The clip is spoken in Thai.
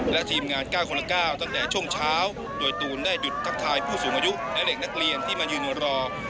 และทีมงาน๙คนละ๙ตั้งแต่ช่วงเช้าโดยตูนได้หยุดทักทายผู้สูงอายุและเด็กนักเรียนที่มายืนรอ